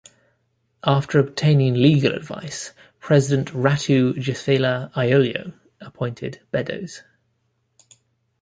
After obtaining legal advice, President Ratu Josefa Iloilo appointed Beddoes.